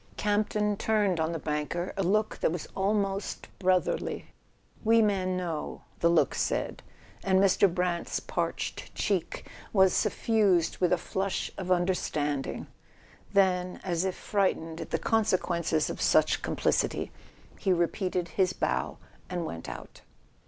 Campton turned on the banker a look that was almost brotherly. "We men know . .the look said; and Mr. Brant's parched cheek was suffused with a flush of understand¬ ing. Then, as if frightened at the consequences of such complicity, he repeated his bow and went out.